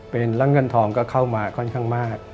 เป็นแล้วเงินทองก็เข้ามาค่อนข้างมาก